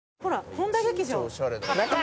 本多劇場。